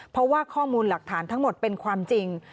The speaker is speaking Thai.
เพราะว่าข้อมูลหลักฐานทั้งหมดเป็นความจริง